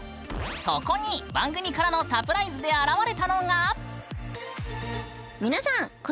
そこに番組からのサプライズで現れたのが。